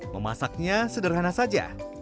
memasaknya sederhana saja